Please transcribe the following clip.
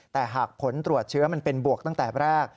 แต่หากผลตรวจเชื้อมันเป็นบวกตั้งแต่แรก